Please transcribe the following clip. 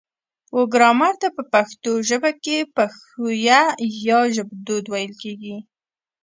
و ګرامر ته په پښتو ژبه کې پښويه يا ژبدود ويل کيږي